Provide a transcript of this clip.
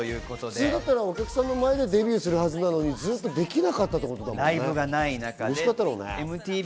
普通だったらお客さんの前でデビューするはずなのに、できなかったんだよね。